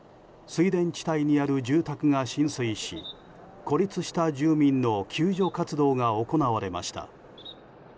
水田地帯にある住宅が浸水し孤立した住民の救助活動が行われました。